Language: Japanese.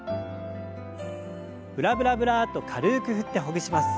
ブラブラブラッと軽く振ってほぐします。